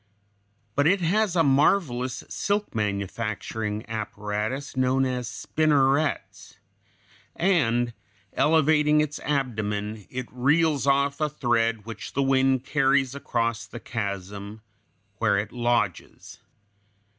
But it has a marvelous silk manufacturing apparatus, known as spinnerets (Fig. 169), and elevating its abdomen it reels off a thread which the wind carries across the chasm where it lodges.